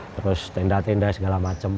terus tenda tenda segala macam